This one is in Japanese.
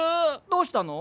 どうしたの？